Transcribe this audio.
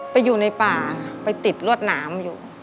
อยู่ในป่าไปติดรวดหนามอยู่